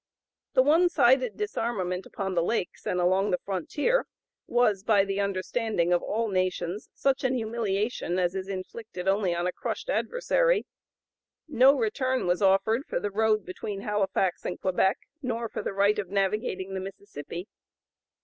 The one sided disarmament upon the lakes and along the frontier was, by the understanding of all nations, such an (p. 080) humiliation as is inflicted only on a crushed adversary. No return was offered for the road between Halifax and Quebec; nor for the right of navigating the Mississippi.